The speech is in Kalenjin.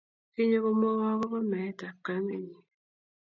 kinyo komwowo akobo meet ab kamenyi